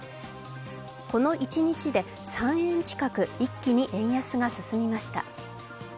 この一日で３円近く一気に円安が進みました。